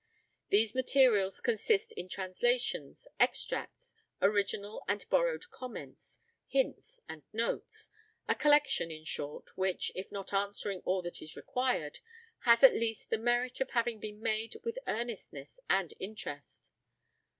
These materials consist in translations, extracts, original and borrowed comments, hints, and notes; a collection, in short, which, if not answering all that is required, has at least the merit of having been made with earnestness and interest.